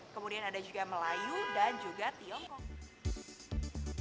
kemudian ada juga melayu dan juga tiongkok